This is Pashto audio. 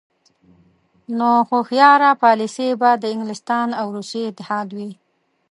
نو هوښیاره پالیسي به د انګلستان او روسیې اتحاد وي.